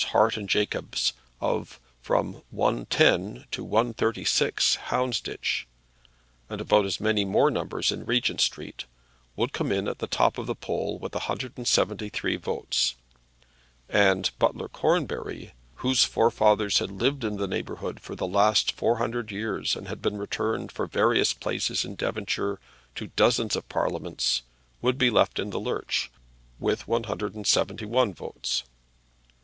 Hart and Jacobs of from 110 to 136 Houndsditch, and about as many more numbers in Regent Street, would come in at the top of the poll with 173 votes, and Butler Cornbury, whose forefathers had lived in the neighbourhood for the last four hundred years and been returned for various places in Devonshire to dozens of parliaments, would be left in the lurch with 171 votes.